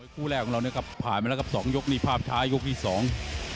คู่แรกของเรานะครับผ่านมาแล้วครับสองยกนี่ภาพช้ายกที่สอง